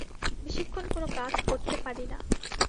বেশিক্ষণ কোনো কাজ করতে পারি না।